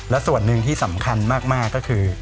และส่วนหนึ่งที่สำคัญมากก็คือ